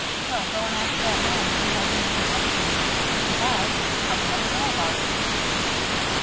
Well, go and ask that man if he has any complaint to make. If he has, come and let me know about it."